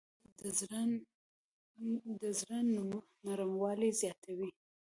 جانداد د زړه نرموالی زیاتوي.